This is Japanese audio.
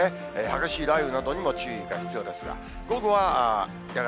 激しい雷雨などにも注意が必要ですが。